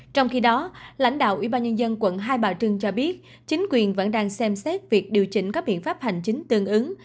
trong khi đó lãnh đạo ubnd quận hai bà trưng cho biết chính quyền vẫn đang xem xét việc điều chỉnh các biện pháp hành chính tương ứng